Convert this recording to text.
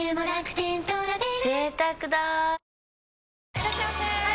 いらっしゃいませ！